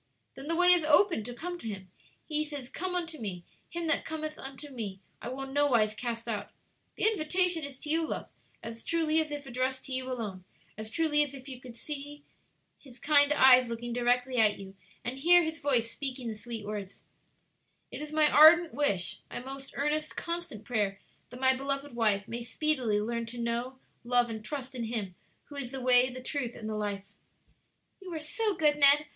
"Then the way is open to come to Him. He says, 'Come unto me.' 'Him that cometh unto me, I will in no wise cast out.' The invitation is to you, love, as truly as if addressed to you alone; as truly as if you could hear His voice speaking the sweet words and see His kind eyes looking directly at you. "It is my ardent wish, my most earnest, constant prayer, that my beloved wife may speedily learn to know, love, and trust in Him who is the Way, the Truth, and the Life!" "You are so good, Ned!